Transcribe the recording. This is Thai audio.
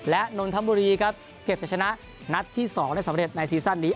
และนนทบุรีครับเก็บจะชนะนัดที่๒ได้สำเร็จในซีซั่นนี้